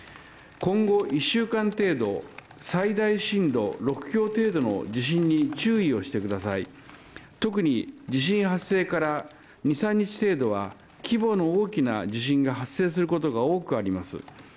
今後１週間程度、最大震度６強程度の地震に注意をしてください、特に地震発生から二、三日程度は、規模の大きな地震が発生することが多くあります。